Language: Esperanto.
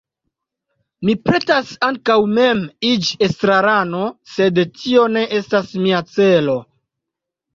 Mi pretas ankaŭ mem iĝi estrarano, sed tio ne estas mia celo.